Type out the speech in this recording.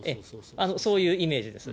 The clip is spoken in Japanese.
そういうイメージです。